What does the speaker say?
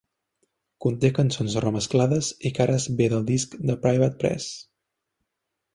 Conté cançons remesclades i cares b del disc "The Private Press".